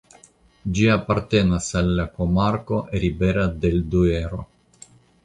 Ĝi apartenas al la komarko "Ribera del Duero".